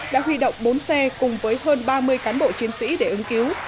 đã huy động bốn xe cùng với hơn ba mươi cán bộ chiến sĩ để ứng cứu